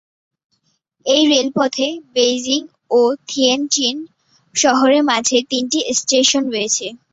এই রেলপথে বেইজিং ও থিয়েনচিন শহরের মাঝে তিনটি স্টেশন রয়েছে।